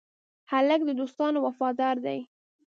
هلک د دوستانو وفادار دی.